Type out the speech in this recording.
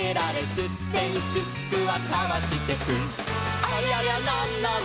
「すってんすっくはかわしてく」「ありゃりゃなんなの？